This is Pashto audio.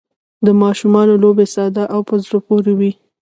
د ماشومانو لوبې ساده او په زړه پورې وي.